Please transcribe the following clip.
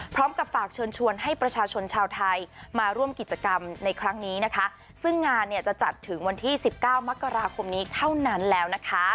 พร้อมกับฝากเชิญชวนให้ประชาชนชาวไทยมาร่วมกิจกรรมในครั้งนี้นะคะซึ่งงานเนี่ยจะจัดถึงวันที่สิบเก้ามกราคมนี้เท่านั้นแล้วนะคะ